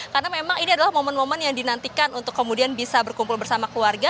karena memang ini adalah momen momen yang dinantikan untuk kemudian bisa berkumpul bersama keluarga